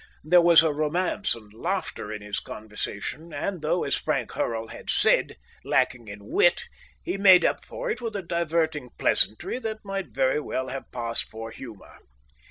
There was romance and laughter in his conversation; and though, as Frank Hurrell had said, lacking in wit, he made up for it with a diverting pleasantry that might very well have passed for humour.